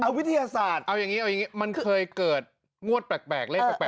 เอาวิทยาศาสตร์เอาอย่างนี้มันเคยเกิดงวดแปลกเลขแปลกเหมือนกัน